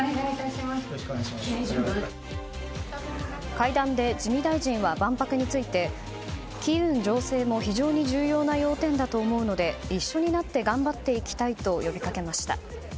会談で自見大臣は万博について機運醸成も非常に重要な要点だと思うので一緒になって頑張っていきたいと呼びかけました。